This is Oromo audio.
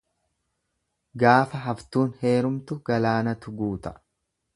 Gaafa haftuun heerumtu galaanatu guuta.